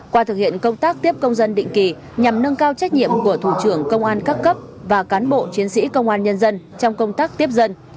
qua thực hiện công tác tiếp công dân định kỳ nhằm nâng cao trách nhiệm của thủ trưởng công an các cấp và cán bộ chiến sĩ công an nhân dân trong công tác tiếp dân